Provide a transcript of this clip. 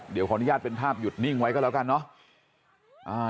เดี๋ยวขออนุญาตเป็นภาพหยุดนิ่งไว้ก็แล้วกันเนาะ